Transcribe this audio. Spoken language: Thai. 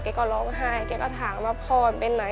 ก็ร้องไห้แกก็ถามว่าพ่อเป็นไหน